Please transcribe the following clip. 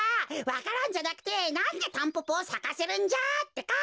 わか蘭じゃなくてなんでタンポポをさかせるんじゃってか。